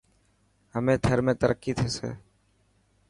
همي ٿر ۾ ترقي ٿيسي.